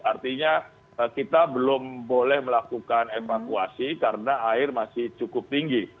artinya kita belum boleh melakukan evakuasi karena air masih cukup tinggi